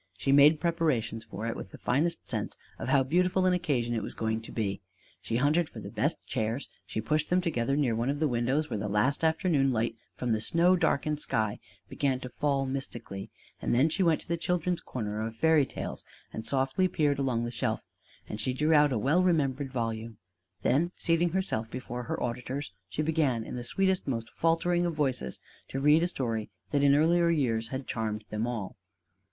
She made preparations for it with the finest sense of how beautiful an occasion it was going to be: she hunted for the best chairs; she pushed them together near one of the windows where the last afternoon light from the snow darkened sky began to fall mystically; then she went to the children's corner of Fairy Tales and softly peered along the shelf; and she drew out a well remembered volume. Then, seating herself before her auditors, she began in the sweetest, most faltering of voices to read a story that in earlier years had charmed them all.